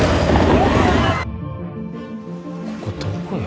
ここどこよ？